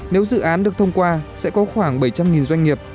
nếu dự án được thông qua sẽ có khoảng bảy trăm linh doanh nghiệp